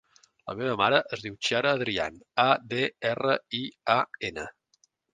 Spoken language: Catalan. La meva mare es diu Chiara Adrian: a, de, erra, i, a, ena.